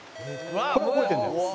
これは覚えてるんだよ